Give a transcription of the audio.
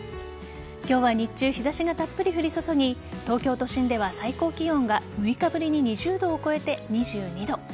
今日は日中日差しがたっぷり降り注ぎ東京都心では最高気温が６日ぶりに２０度を超えて２２度。